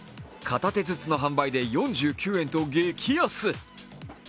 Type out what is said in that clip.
片手ずつの販売で４９円と激安。